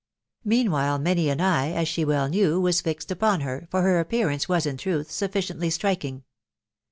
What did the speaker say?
Meanw)&e many an eye, as >she well knew, was fined upon her, for her iappearance was in truth ^sufficiently 'Striking.